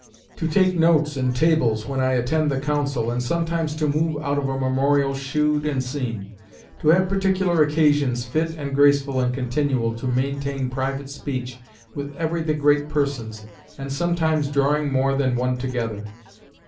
"To take notes in tables, when I attend the Council, and sometimes to move out of a memorial shewed and seen. To have particular occasions, fit and graceful and continual, to maintain private speech with every the great persons, and sometimes drawing more than one together.